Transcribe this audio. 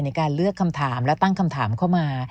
ในการเลือกคำถามและตั้งคำถามเข้ามา